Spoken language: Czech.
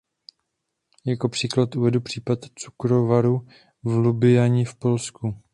Jako příklad uvedu případ cukrovaru v Lublani v Polsku.